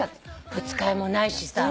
二日酔いもないしさ。